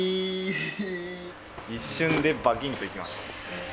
一瞬でバキンッといきました。